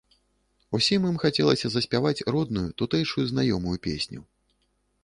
Усім ім хацелася заспяваць родную, тутэйшую знаёмую песню.